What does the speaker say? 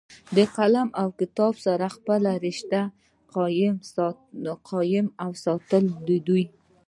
د قلم او کتاب سره خپله رشته قائم اوساتله دوي